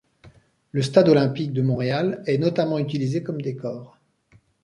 Le Stade olympique de Montréal est notamment utilisé comme décor.